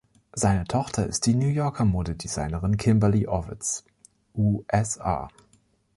Seine Tochter ist die New Yorker Modedesignerin Kimberly Ovitz (USA).